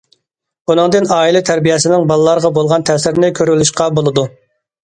بۇنىڭدىن ئائىلە تەربىيەسىنىڭ بالىلارغا بولغان تەسىرىنى كۆرۈۋېلىشقا بولىدۇ.